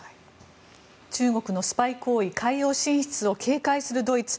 中国のスパイ行為海洋進出を警戒するドイツ。